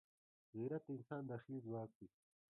غیرت د انسان داخلي ځواک دی